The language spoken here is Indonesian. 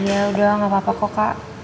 ya udah gak apa apa kok kak